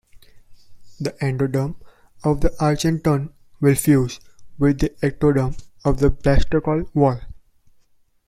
The endoderm of the archenteron will fuse with the ectoderm of the blastocoel wall.